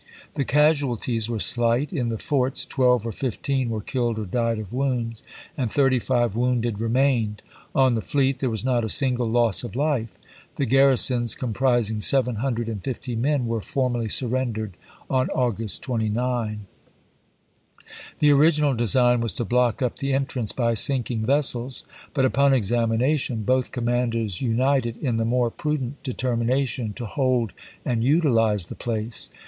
The casualties sept. 2 isei, •^ m " Mes were shght: in the forts, twelve or fifteen were ^^ocu^*^ killed or died of wounds, and thirty five wounded Tsli ei remained; on the fleet, there was not a single pp! 46 48.' loss of life. The garrisons, comprising seven hun ler, Report, dred and fifty men, were formally surrendered on isei^ w Ji. August 29. pp?581 587. The original design was to block up the entrance by sinking vessels, but upon examination both commanders united in the more prudent deter mination to hold and utilize the place.